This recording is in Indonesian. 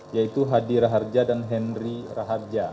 yaitu hadi raharja dan henry raharja